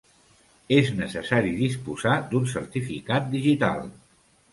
És necessari disposar d'un certificat digital.